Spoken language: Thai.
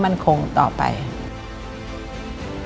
สร้างเศรษฐกิจฐานรากให้มั่นคงต่อไป